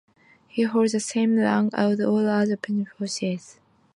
He holds the same rank as all other warrant officers.